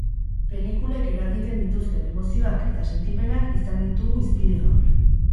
Pelikulek eragiten dituzten emozioak eta sentipenak izan ditugu hizpide gaur.